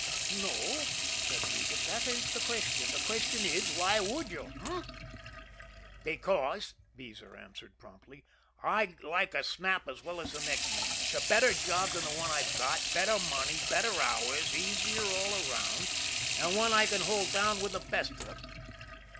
"No," said Regan; "that ain't the question. The question is, why would you? H'm?" "Because," Beezer answered promptly, "I like a snap as well as the next man. It's a better job than the one I've got, better money, better hours, easier all around, and one I can hold down with the best of them."